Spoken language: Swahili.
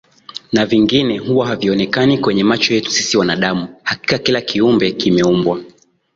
na vingine huwa havionekani kwenye macho yetu sisi wanadamu hakika kila Kiumbe kimeumbwa